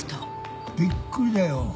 びっくりだよ。